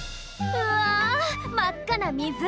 うわ真っ赤な湖！